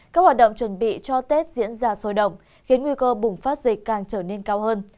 các hoạt động chuẩn bị cho tết diễn ra sôi động khiến nguy cơ bùng phát dịch càng trở nên cao hơn